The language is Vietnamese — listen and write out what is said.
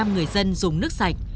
một trăm linh người dân dùng nước sạch